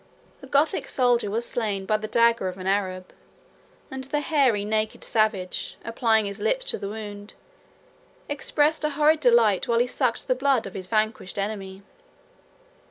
A Gothic soldier was slain by the dagger of an Arab; and the hairy, naked savage, applying his lips to the wound, expressed a horrid delight, while he sucked the blood of his vanquished enemy.